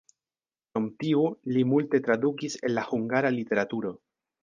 Krom tiu li multe tradukis el la hungara literaturo.